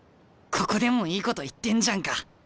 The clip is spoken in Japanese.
ここでもいいこと言ってんじゃんか。